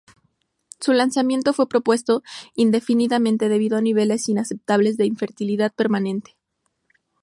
Su lanzamiento fue pospuesto indefinidamente debido a niveles inaceptables de infertilidad permanente.